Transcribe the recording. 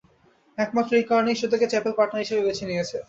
একমাত্র এই কারণেই সে তোকে চ্যাপেল পার্টনার হিসেবে বেছে নিয়েছে।